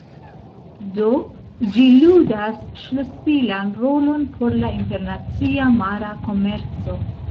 Do, ĝi ludas ŝlosilan rolon por la internacia mara komerco.